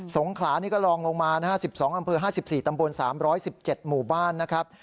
งขลานี่ก็ลองลงมานะฮะ๑๒อำเภอ๕๔ตำบล๓๑๗หมู่บ้านนะครับ